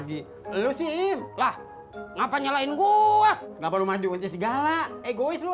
lagi lu sih lah ngapain nyalain gua ngapain diunceng segala egois lu